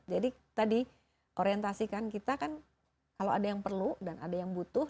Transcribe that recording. jadi tadi orientasikan kita kan kalau ada yang perlu dan ada yang butuh